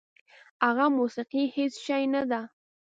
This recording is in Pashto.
هغه موسیقي هېڅ شی نه ده.